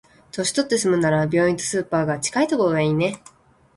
年取って住むなら、病院とスーパーが近いところがいいね。